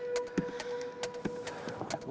tidak ada napas raw mateus